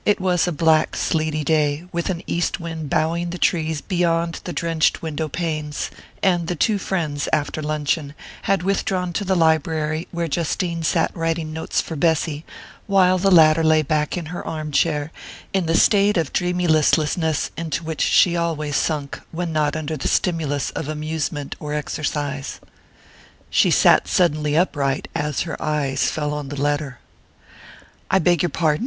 It was a black sleety day, with an east wind bowing the trees beyond the drenched window panes, and the two friends, after luncheon, had withdrawn to the library, where Justine sat writing notes for Bessy, while the latter lay back in her arm chair, in the state of dreamy listlessness into which she always sank when not under the stimulus of amusement or exercise. She sat suddenly upright as her eyes fell on the letter. "I beg your pardon!